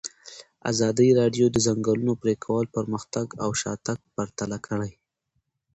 ازادي راډیو د د ځنګلونو پرېکول پرمختګ او شاتګ پرتله کړی.